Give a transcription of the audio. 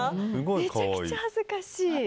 めちゃくちゃ恥ずかしい。